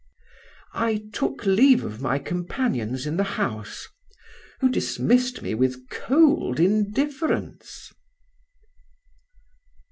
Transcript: I took leave of my companions in the house, who dismissed me with cold indifference."